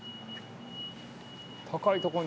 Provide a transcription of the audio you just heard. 高いとこに。